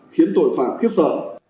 khiến tội phạm khiếp sợ